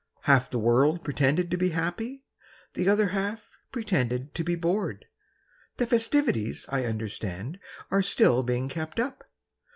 Half the world pretended to be happy, The other half pretended to be bored. The festivities, I understand, Are still being kept up.